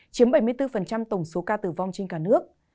chiếm bảy mươi bốn tổng số ca tử vong trên cả nước